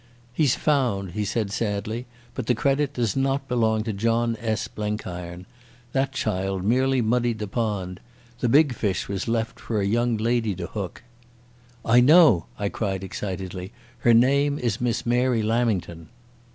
"He's found," he said sadly, "but the credit does not belong to John S. Blenkiron. That child merely muddied the pond. The big fish was left for a young lady to hook." "I know," I cried excitedly. "Her name is Miss Mary Lamington."